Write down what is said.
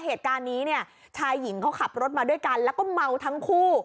เหตุการณ์นี้เนี่ยชายหญิงเขาขับรถมาด้วยกันแล้วก็เมาทั้งคู่